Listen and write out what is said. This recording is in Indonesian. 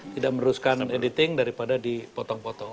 tidak meneruskan editing daripada dipotong potong